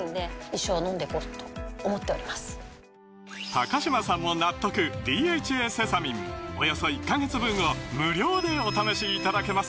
高嶋さんも納得「ＤＨＡセサミン」およそ１カ月分を無料でお試しいただけます